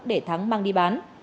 để thắng mang đi bán